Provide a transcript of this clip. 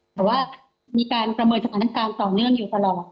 แต่ว่ามีการประเมินสถานการณ์ต่อเนื่องอยู่ตลอด